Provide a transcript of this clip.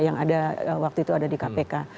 yang ada waktu itu ada di kpk